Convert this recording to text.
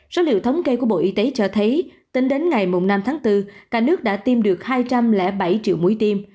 số liệu thống kê của bộ y tế cho thấy tính đến ngày năm tháng bốn cả nước đã tiêm được hai trăm linh bảy triệu mũi tiêm